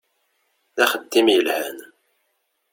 D axeddim yelhan.